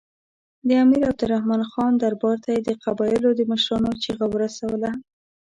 د امیر عبدالرحمن خان دربار ته یې د قبایلو د مشرانو چیغه ورسوله.